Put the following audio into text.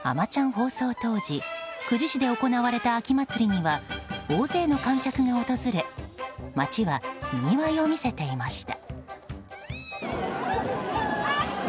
放送当時久慈市で行われた秋祭りには大勢の観客が訪れ街はにぎわいを見せていました。